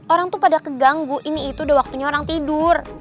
orang tuh pada keganggu ini itu udah waktunya orang tidur